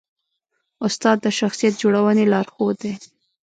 استاد د شخصیت جوړونې لارښود دی.